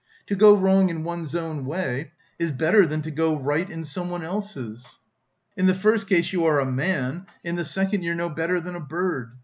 To go wrong in one's own way is better than to go right in someone else's. In the first case you are a man, in the second you're no better than a bird.